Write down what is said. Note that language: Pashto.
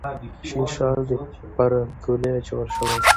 چې شین شال پر ډولۍ اچول شوی و